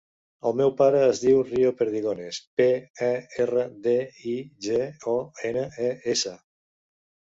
El meu pare es diu Rio Perdigones: pe, e, erra, de, i, ge, o, ena, e, essa.